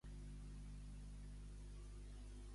XIX i el s.